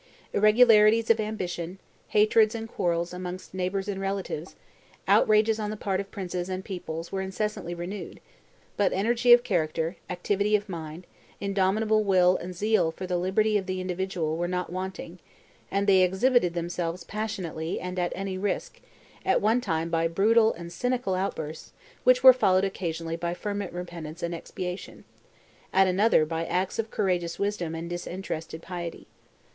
Irregularities of ambition, hatreds and quarrels amongst neighbors and relatives, outrages on the part of princes and peoples were incessantly renewed; but energy of character, activity of mind, indomitable will and zeal for the liberty of the individual were not wanting, and they exhibited themselves passionately and at any risk, at one time by brutal and cynical outbursts which were followed occasionally by fervent repentance and expiation, at another by acts of courageous wisdom and disinterested piety.